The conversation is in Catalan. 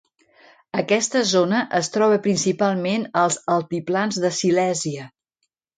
Aquesta zona es troba principalment als Altiplans de Silèsia.